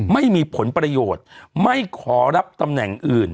ไม่มีผลประโยชน์ไม่ขอรับตำแหน่งอื่น